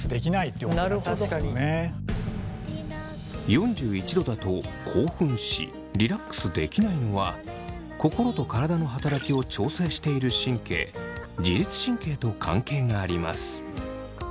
４１℃だと興奮しリラックスできないのは心と体の働きを調整している神経自律神経と関係があります。